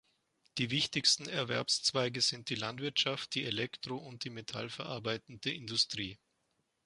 Die wichtigsten Erwerbszweige sind die Landwirtschaft, die Elektro- und die metallverarbeitende Industrie.